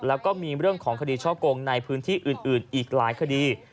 แล้วก็มีเรื่องของคดีช่อกงในพื้นที่อื่นอีกหลายคดี